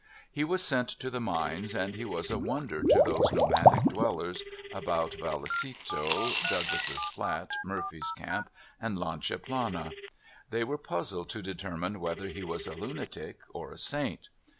He was sent to the mines, and he was a wonder to those nomadic dwellers about Vallecito, Doug lass's Flat, Murphy's Camp, and Lancha Plana. They were puzzled to determine whether he was a lunatic or a saint.